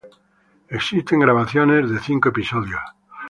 Existen grabaciones de cinco episodios.